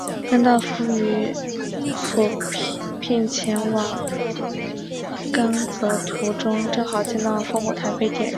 甘道夫与皮聘前往刚铎途中正好见到了烽火台被点燃。